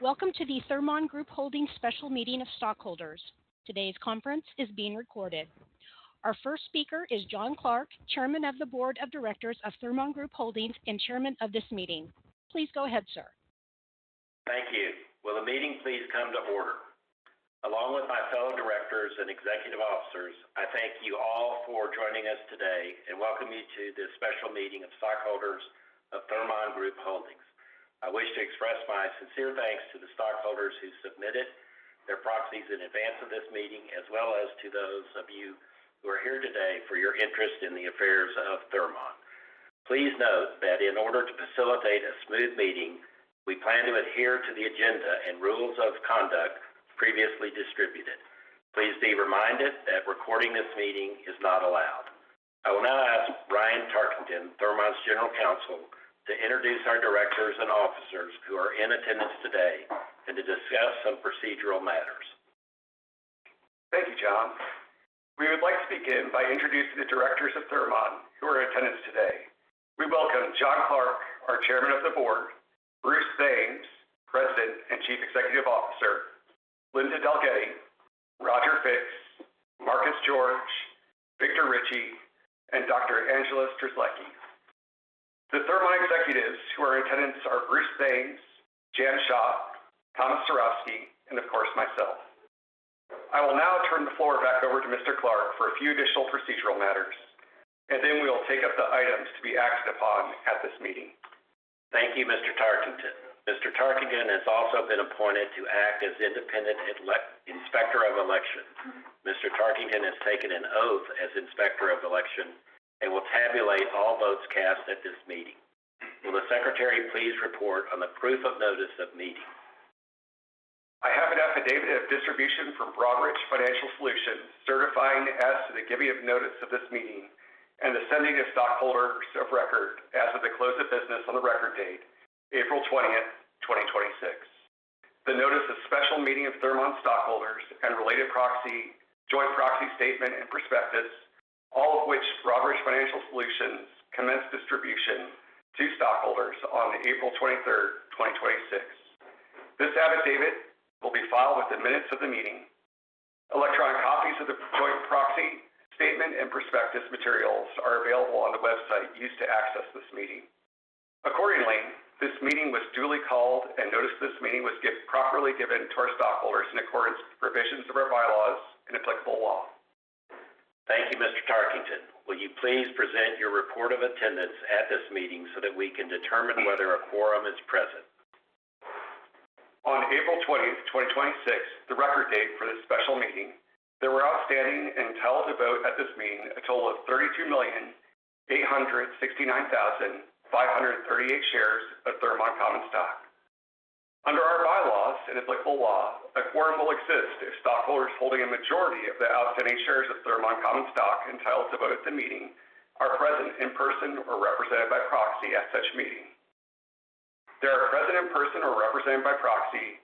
Welcome to the Thermon Group Holdings special meeting of stockholders. Today's conference is being recorded. Our first speaker is John Clarke, Chairman of the Board of Directors of Thermon Group Holdings and chairman of this meeting. Please go ahead, sir. Thank you. Will the meeting please come to order? Along with my fellow directors and executive officers, I thank you all for joining us today and welcome you to this special meeting of stockholders of Thermon Group Holdings, Inc. I wish to express my sincere thanks to the stockholders who submitted their proxies in advance of this meeting, as well as to those of you who are here today for your interest in the affairs of Thermon. Please note that in order to facilitate a smooth meeting, we plan to adhere to the agenda and rules of conduct previously distributed. Please be reminded that recording this meeting is not allowed. I will now ask Ryan Tarkington, Thermon's General Counsel, to introduce our directors and officers who are in attendance today and to discuss some procedural matters. Thank you, John. We would like to begin by introducing the Directors of Thermon who are in attendance today. We welcome John Clarke, our Chairman of the Board, Bruce Thames, President and Chief Executive Officer, Linda Dalgetty, Roger Fix, Marcus George, Victor Richey, and Angela Strzelecki. The Thermon executives who are in attendance are Bruce Thames, Jan Schott, Thomas Cerovski, and of course myself. I will now turn the floor back over to Mr. Clarke for a few additional procedural matters, and then we will take up the items to be acted upon at this meeting. Thank you, Mr. Tarkington. Mr. Tarkington has also been appointed to act as independent Inspector of Election. Mr. Tarkington has taken an oath as Inspector of Election and will tabulate all votes cast at this meeting. Will the Secretary please report on the proof of notice of meeting? I have an affidavit of distribution from Broadridge Financial Solutions certifying as to the giving of notice of this meeting and the sending to stockholders of record as of the close of business on the record date, April 20th, 2026. The notice of special meeting of Thermon stockholders and related joint proxy statement and prospectus, all of which Broadridge Financial Solutions commenced distribution to stockholders on April 23rd, 2026. This affidavit will be filed with the minutes of the meeting. Electronic copies of the joint proxy statement and prospectus materials are available on the website used to access this meeting. Accordingly, this meeting was duly called and notice this meeting was properly given to our stockholders in accordance with provisions of our bylaws and applicable law. Thank you, Mr. Tarkington. Will you please present your report of attendance at this meeting so that we can determine whether a quorum is present? On April 20th, 2026, the record date for this special meeting, there were outstanding entitled to vote at this meeting a total of 32,869,538 shares of Thermon common stock. Under our bylaws and applicable law, a quorum will exist if stockholders holding a majority of the outstanding shares of Thermon common stock entitled to vote at the meeting are present in person or represented by proxy at such meeting. There are present in person or represented by proxy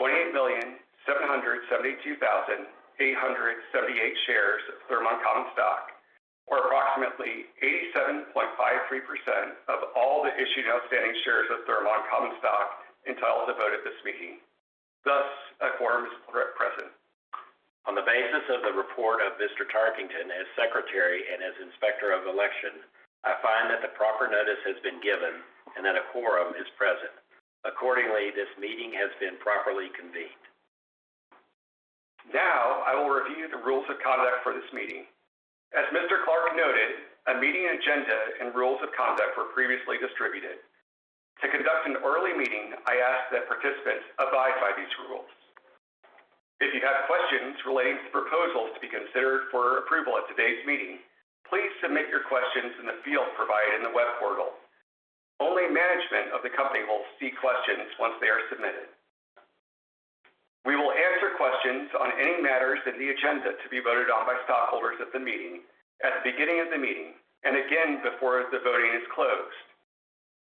28,772,878 shares of Thermon common stock, or approximately 87.53% of all the issued outstanding shares of Thermon common stock entitled to vote at this meeting. Thus, a quorum is present. On the basis of the report of Mr. Tarkington as Secretary and as Inspector of Election, I find that the proper notice has been given and that a quorum is present. Accordingly, this meeting has been properly convened. I will review the rules of conduct for this meeting. As Mr. Clarke noted, a meeting agenda and rules of conduct were previously distributed. To conduct an orderly meeting, I ask that participants abide by these rules. If you have questions relating to proposals to be considered for approval at today's meeting, please submit your questions in the field provided in the web portal. Only management of the company will see questions once they are submitted. We will answer questions on any matters in the agenda to be voted on by stockholders at the meeting, at the beginning of the meeting, and again before the voting is closed.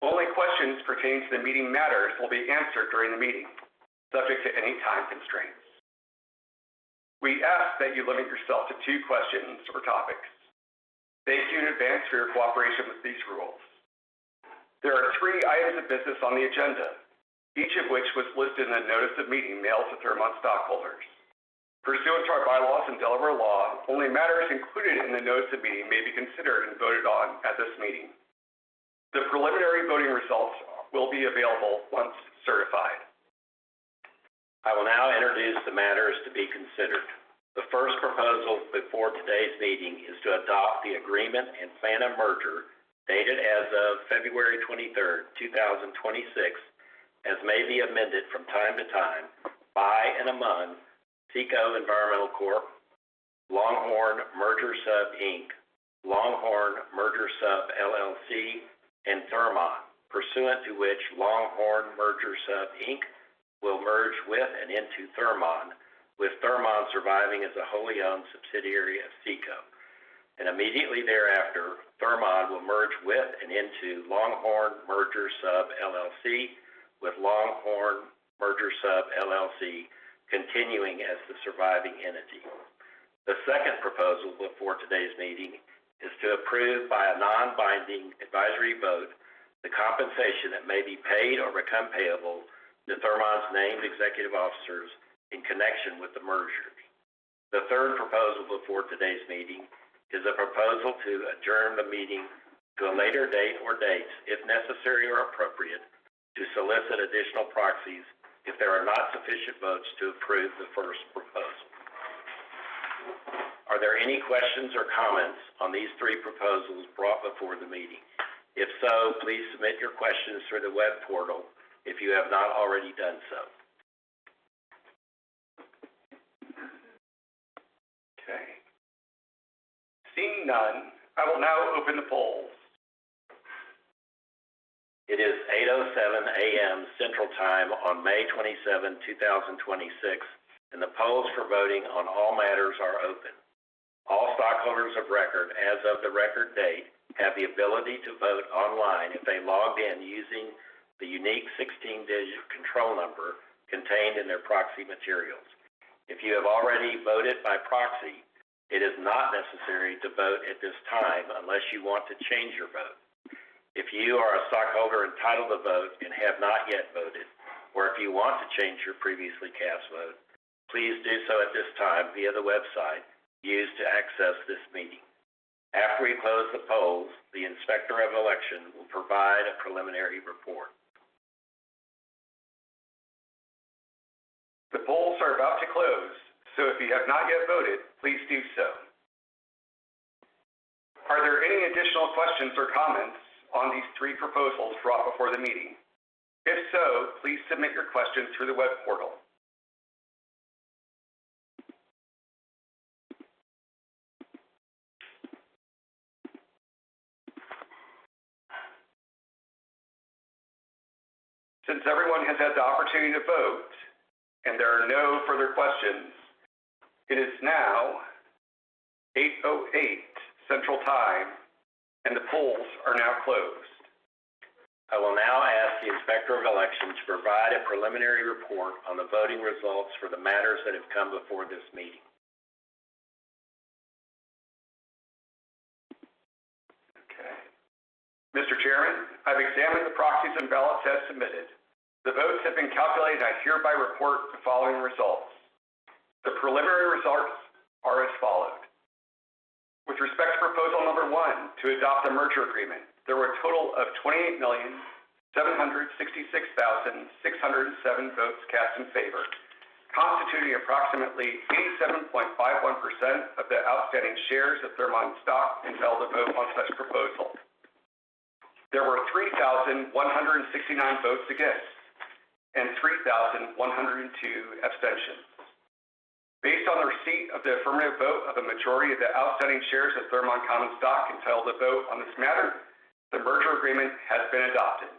Only questions pertaining to the meeting matters will be answered during the meeting, subject to any time constraints. We ask that you limit yourself to two questions or topics. Thank you in advance for your cooperation with these rules. There are three items of business on the agenda, each of which was listed in the notice of meeting mailed to Thermon stockholders. Pursuant to our bylaws and Delaware law, only matters included in the notice of meeting may be considered and voted on at this meeting. The preliminary voting results will be available once certified. I will now introduce the matters to be considered. The first proposal before today's meeting is to adopt the agreement and plan of merger, dated as of February 23rd, 2026, as may be amended from time to time by and among CECO Environmental Corp., Longhorn Merger Sub, Inc, Longhorn Merger Sub LLC, and Thermon. Pursuant to which Longhorn Merger Sub Inc will merge with and into Thermon, with Thermon surviving as a wholly-owned subsidiary of CECO. Immediately thereafter, Thermon will merge with and into Longhorn Merger Sub LLC, with Longhorn Merger Sub LLC continuing as the surviving entity. The second proposal before today's meeting is to approve by a non-binding advisory vote the compensation that may be paid or become payable to Thermon's named executive officers in connection with the mergers. The third proposal before today's meeting is a proposal to adjourn the meeting to a later date or dates, if necessary or appropriate, to solicit additional proxies if there are not sufficient votes to approve the first proposal. Are there any questions or comments on these three proposals brought before the meeting? If so, please submit your questions through the web portal if you have not already done so. Okay. Seeing none, I will now open the polls. It is 8:07 A.M. Central Time on May 27, 2026, and the polls for voting on all matters are open. All stockholders of record as of the record date have the ability to vote online if they logged in using the unique 16-digit control number contained in their proxy materials. If you have already voted by proxy, it is not necessary to vote at this time unless you want to change your vote. If you are a stockholder entitled to vote and have not yet voted, or if you want to change your previously cast vote, please do so at this time via the website used to access this meeting. After we close the polls, the Inspector of Election will provide a preliminary report. The polls are about to close, so if you have not yet voted, please do so. Are there any additional questions or comments on these three proposals brought before the meeting? If so, please submit your question through the web portal. Since everyone has had the opportunity to vote and there are no further questions, it is now 8:08 Central Time and the polls are now closed. I will now ask the Inspector of Election to provide a preliminary report on the voting results for the matters that have come before this meeting. Okay. Mr. Chairman, I've examined the proxies and ballots as submitted. The votes have been calculated, and I hereby report the following results. The preliminary results are as follows. With respect to Proposal number 1, to adopt a merger agreement, there were a total of 28,766,607 votes cast in favor, constituting approximately 87.51% of the outstanding shares of Thermon stock entitled to vote on such proposal. There were 3,169 votes against and 3,102 abstentions. Based on the receipt of the affirmative vote of a majority of the outstanding shares of Thermon common stock entitled to vote on this matter, the merger agreement has been adopted.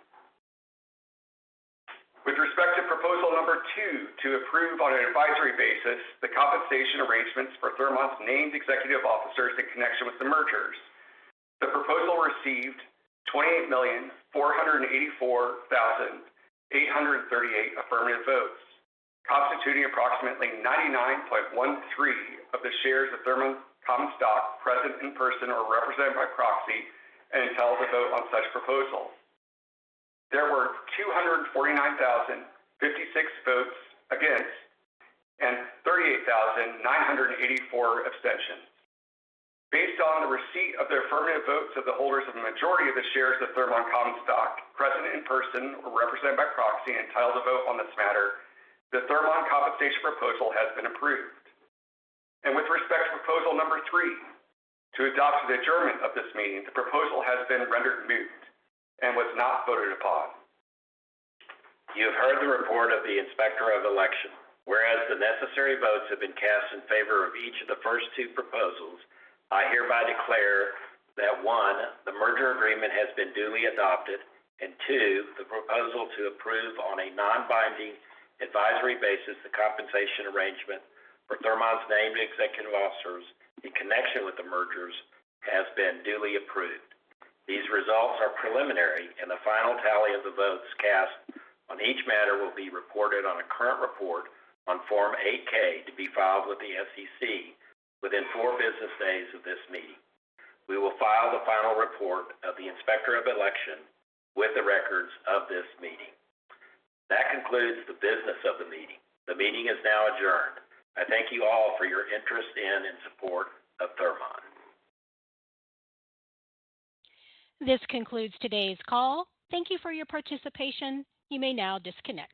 With respect to Proposal number 2, to approve on an advisory basis the compensation arrangements for Thermon's named executive officers in connection with the mergers, the proposal received 28,484,838 affirmative votes, constituting approximately 99.13% of the shares of Thermon common stock present in person or represented by proxy entitled to vote on such proposal. There were 249,056 votes against and 38,984 abstentions. Based on the receipt of the affirmative votes of the holders of a majority of the shares of Thermon common stock present in person or represented by proxy entitled to vote on this matter, the Thermon compensation proposal has been approved. With respect to Proposal number 3, to adopt the adjournment of this meeting, the proposal has been rendered moot and was not voted upon. You have heard the report of the Inspector of Election. Whereas the necessary votes have been cast in favor of each of the first two proposals, I hereby declare that, one, the merger agreement has been duly adopted, and two, the proposal to approve on a non-binding advisory basis the compensation arrangement for Thermon's named executive officers in connection with the mergers has been duly approved. These results are preliminary, and the final tally of the votes cast on each matter will be reported on a current report on Form 8-K to be filed with the SEC within four business days of this meeting. We will file the final report of the Inspector of Election with the records of this meeting. That concludes the business of the meeting. The meeting is now adjourned. I thank you all for your interest in and support of Thermon. This concludes today's call. Thank you for your participation. You may now disconnect.